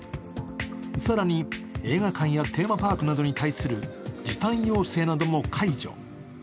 更に、映画館やテーマパークに対する時短要請なども解除。